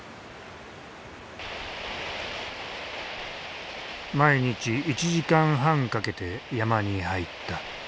毎日１時間半かけて山に入った。